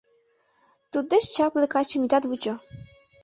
— Туддеч чапле качым итат вучо!